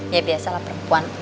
ya biasalah perempuan